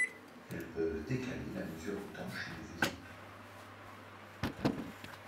Elles peuvent décaler la mesure du temps chez les végétaux.